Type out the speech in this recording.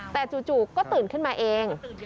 แต่จู่ก็ตื่นขึ้นมาเอง